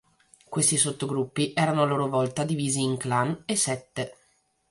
Questi sottogruppi erano a loro volta divisi in clan e sette.